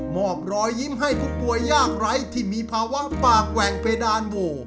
อบรอยยิ้มให้ผู้ป่วยยากไร้ที่มีภาวะปากแหว่งเพดานโว